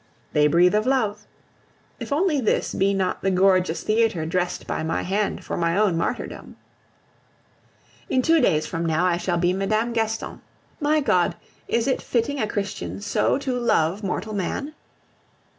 They breathe of love. If only this be not the gorgeous theatre dressed by my hand for my own martyrdom! In two days from now I shall be Mme. Gaston. My God! is it fitting a Christian so to love mortal man?